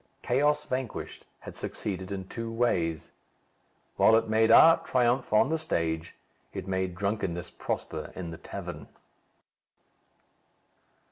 "Chaos Vanquished" had succeeded in two ways. While it made art triumph on the stage, it made drunkenness prosper in the tavern.